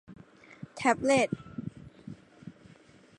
แท็บเลต